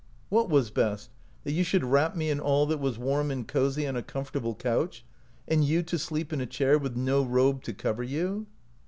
"What was best — that you should wrap me in all that was warm and cozy on a com fortable couch, and you to sleep in a chair with no robe to cover you